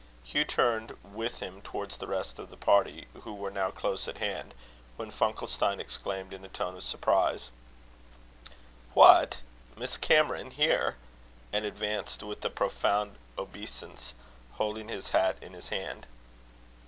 Hugh turned with him towards the rest of the party, who were now close at hand; when Funkelstein exclaimed, in a tone of surprise, "What! Miss Cameron here!" and advanced with a profound obeisance, holding his hat in his hand.